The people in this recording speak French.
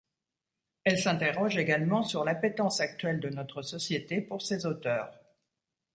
Elle s'interroge également sur l'appétence actuelle de notre société pour ces auteurs.